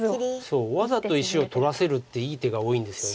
そうわざと石を取らせるっていい手が多いんですよね。